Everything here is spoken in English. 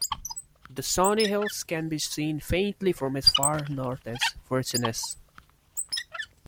The Shawnee Hills can be seen faintly from as far north as Vergennes.